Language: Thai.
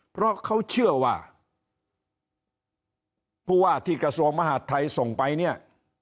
เพราะเขาเชื่อว่าผู้ว่าที่กระทรวงมหาดไทยส่งไปเนี่ย